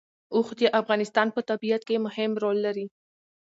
اوښ د افغانستان په طبیعت کې مهم رول لري.